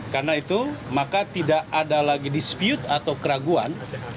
karena itu maka tidak ada lagi dispute atau keraguan